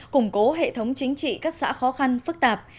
củng cố hệ thống chính trị các xã khó khăn phức tạp